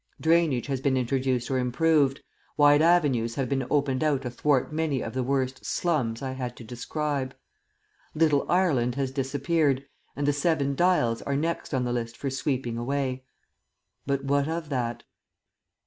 Drainage has been introduced or improved, wide avenues have been opened out athwart many of the worst "slums" I had to describe. "Little Ireland" has disappeared, and the "Seven Dials" are next on the list for sweeping away. But what of that?